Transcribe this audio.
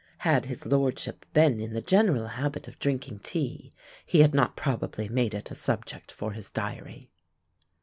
Had his lordship been in the general habit of drinking tea, he had not probably made it a subject for his diary.